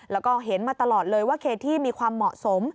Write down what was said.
แล้วก็เห็นมาตลอดเลยว่าเคที่มีความเหมาะสม